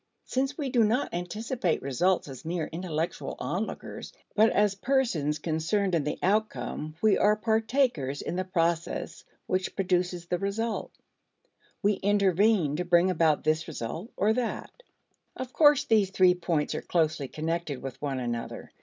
Since we do not anticipate results as mere intellectual onlookers, but as persons concerned in the outcome, we are partakers in the process which produces the result. We intervene to bring about this result or that. Of course these three points are closely connected with one another.